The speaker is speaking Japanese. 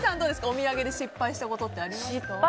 お土産で失敗したことありますか。